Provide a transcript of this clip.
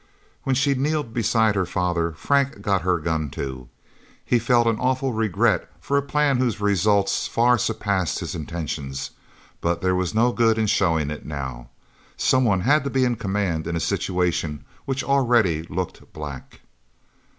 When she kneeled beside her father, Frank got her gun, too. He felt an awful regret for a plan whose results far surpassed his intentions, but there was no good in showing it, now. Someone had to be in command in a situation which already looked black.